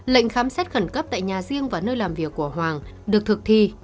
lệnh khám xét khẩn cấp tại nhà riêng và nơi làm việc của hoàng được thực thi